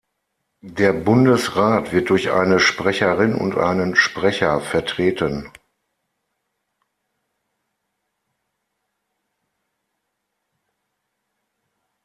Der Bundesrat wird durch eine Sprecherin und einen Sprecher vertreten.